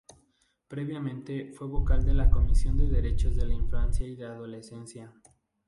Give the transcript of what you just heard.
Previamente fue vocal de la Comisión de Derechos de la Infancia y Adolescencia.